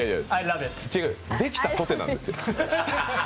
できたとてなんですよ。